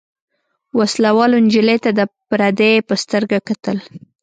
وسله والو نجلۍ ته د پردۍ په سترګه کتل.